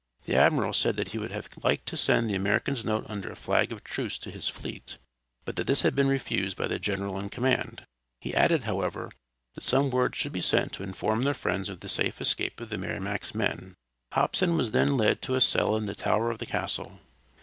The admiral said that he would have liked to send the American's note under a flag of truce to his fleet, but that this had been refused by the general in command. He added, however, that some word should be sent to inform their friends of the safe escape of the Merrimac's men. Hobson was then led to a cell in the tower of the castle.